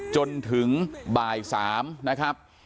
จนถึงบ่าย๓นะครับ